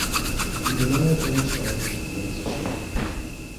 He denied all charges against Schenk.